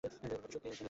উপহার তো সে নিজেই।